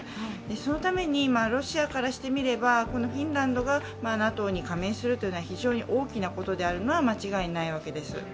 そのためにロシアからしてみれば、フィンランドがＮＡＴＯに加盟するというのは非常に大きなことであるのは間違いないわけです。